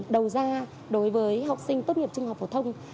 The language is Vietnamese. đầu ra đối với học sinh tốt nghiệp trung học phổ thông